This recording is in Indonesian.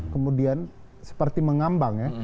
kemudian seperti mengambang ya